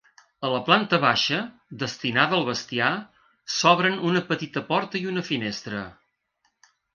A la planta baixa, destinada al bestiar, s'obren una petita porta i una finestra.